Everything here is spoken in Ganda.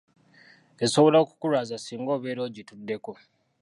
Esoobola okukulwaza singa obeera ogituddeko.